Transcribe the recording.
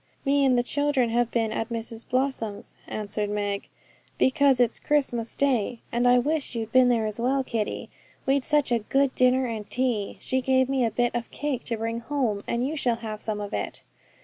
'Me and the children have been at Mrs Blossom's, answered Meg, 'because it's Christmas Day: and I wish you'd been there as well, Kitty. We'd such a good dinner and tea. She gave me a bit of cake to bring home, and you shall have some of it.'